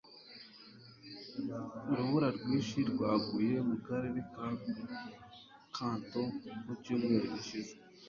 Urubura rwinshi rwaguye mu karere ka Kanto mu cyumweru gishize.